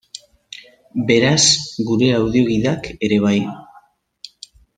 Beraz, gure audio-gidak ere bai.